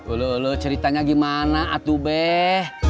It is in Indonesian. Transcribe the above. ulu ulu ceritanya gimana atubeh